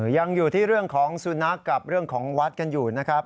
ยังอยู่ที่เรื่องของสุนัขกับเรื่องของวัดกันอยู่นะครับ